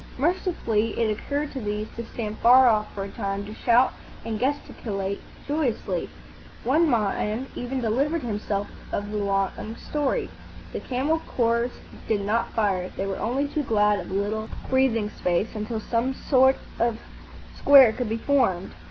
Mercifully, it occurred to these to stand far off for a time, to shout and gesticulate joyously. One man even delivered himself of a long story. The camel corps did not fire. They were only too glad of a little breathing space, until some sort of square could be formed.